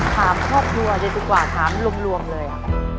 ถามครอบครัวเลยดีกว่าถามรวมเลย